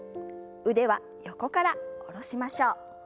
腕は横から下ろしましょう。